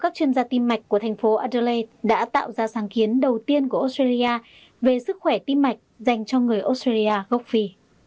các chuyên gia tim mạch của thành phố adelaide đã tạo ra sáng kiến đầu tiên của australia về sức khỏe tim mạch dành cho người australia gốc phi